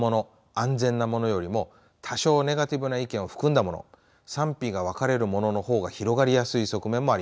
安全なものよりも多少ネガティブな意見を含んだもの賛否が分かれるものの方が広がりやすい側面もあります。